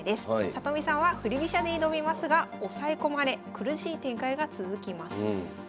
里見さんは振り飛車で挑みますが押さえ込まれ苦しい展開が続きます。